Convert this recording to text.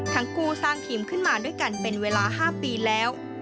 ทั้งคู่สร้างทีมขึ้นมาด้วยกันเป็นเวลา๕ปีแล้ว